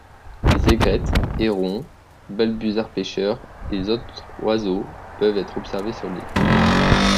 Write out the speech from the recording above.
Les Aigrettes, hérons, Balbuzars pêcheurs, et autres oiseaux peuvent être observés sur l'île.